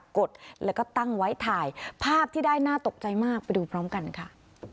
กดแล้วก็ตั้งไว้ถ่ายภาพที่ได้น่าตกใจมากไปดูพร้อมกันค่ะ